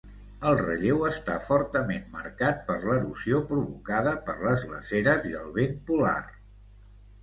El relleu està fortament marcat per l'erosió provocada per les glaceres i el vent polar.